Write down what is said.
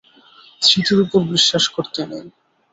স্মৃতির উপর বিশ্বাস করতে নেই।